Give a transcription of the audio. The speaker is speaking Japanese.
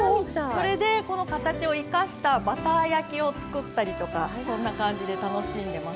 それでこの形を生かしたバター焼きを作ったりとかそんな感じで楽しんでます。